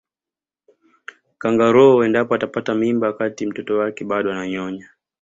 kangaroo endapo atapata mimba wakati mtoto wake bado ananyonya